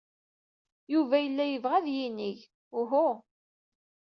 Yuba yella yebɣa ad d-yini uhu.